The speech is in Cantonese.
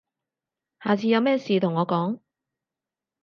下次有咩事同我講